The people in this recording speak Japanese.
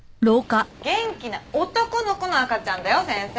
元気な男の子の赤ちゃんだよ先生。